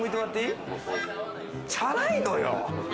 チャラいのよ。